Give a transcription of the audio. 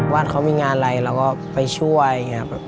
ว่าเขามีงานอะไรเราก็ไปช่วยอย่างนี้